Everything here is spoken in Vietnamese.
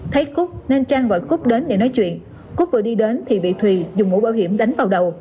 thấy cúc nên trang gọi cúc đến để nói chuyện cúc vừa đi đến thì bị thùy dùng mũ bảo hiểm đánh vào đầu